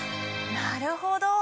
なるほど。